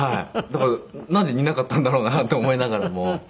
だからなんで似なかったんだろうなと思いながらも。